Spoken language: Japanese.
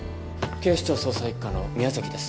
警視庁捜査一課の宮崎です